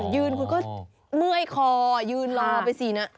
ยืนคุณก็เมื่อยคอยืนรอไปสินะ